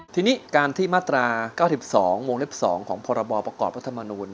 ทีนี้การที่มาตรา๙๒โมงเล็บ๒ของพปกติวัฒนมนุษย์